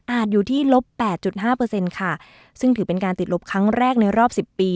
อยู่ที่ลบแปดจุดห้าเปอร์เซ็นต์ค่ะซึ่งถือเป็นการติดลบครั้งแรกในรอบสิบปี